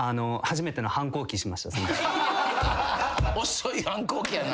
遅い反抗期やな。